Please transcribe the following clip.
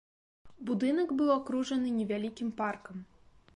Будынак быў акружаны невялікім паркам.